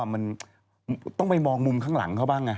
มันต้องไปมองมุมข้างหลังเขาบ้างไง